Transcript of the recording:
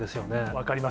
分かります。